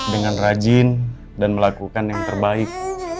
dengan rajin dan melakukan yang terbaik